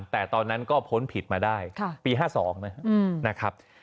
แต่ตอนนั้นก็พ้นผิดมาได้ปี๕๒นะครับ